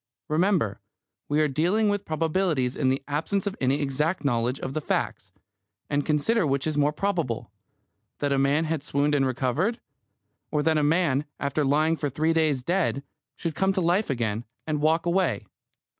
Remember, we are dealing with probabilities in the absence of any exact knowledge of the facts, and consider which is more probable that a man had swooned and recovered; or that a man, after lying for three days dead, should come to life again, and walk away?